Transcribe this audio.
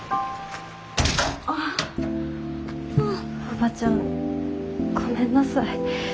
おばちゃんごめんなさい